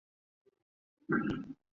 战斗单位的雇用。